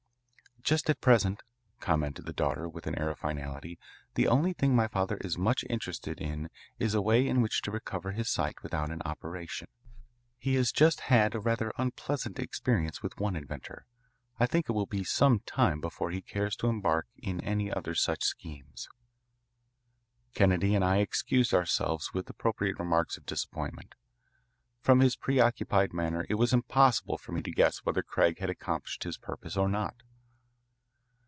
"Just at present," commented the daughter, with an air of finality, "the only thing my father is much interested in is a way in which to recover his sight without an operation. He has just had a rather unpleasant experience with one inventor. I think it will be some time before he cares to embark in any other such schemes. Kennedy and I excused ourselves with appropriate remarks of disappointment. From his preoccupied manner it was impossible for me to guess whether Craig had accomplished his purpose or not.